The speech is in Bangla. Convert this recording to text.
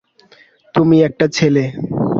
তুমি একটা ছেলে।